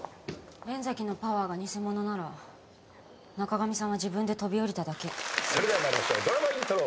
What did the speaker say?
「連崎のパワーが偽物なら中上さんは自分で飛び降りただけ」では参りましょう。